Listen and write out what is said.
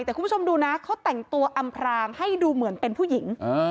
แต่คุณผู้ชมดูนะเขาแต่งตัวอำพรางให้ดูเหมือนเป็นผู้หญิง